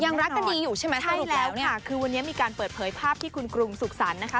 รักกันดีอยู่ใช่ไหมใช่แล้วค่ะคือวันนี้มีการเปิดเผยภาพที่คุณกรุงสุขสรรค์นะคะ